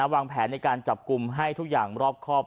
วางแผนในการจับกลุ่มให้ทุกอย่างรอบครอบ